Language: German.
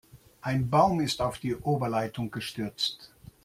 Ein Baum ist auf die Oberleitung gestürzt.